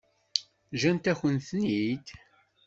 Ǧǧant-akent-ten-id?